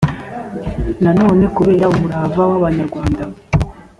na none kubera umurava w abanyarwanda